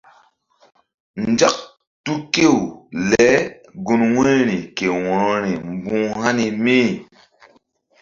Nzak tu kew le gun wu̧yri ke wo̧rori mbuh hani mí.